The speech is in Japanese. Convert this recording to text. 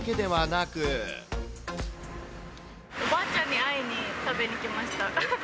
おばあちゃんに会いに食べに来ました。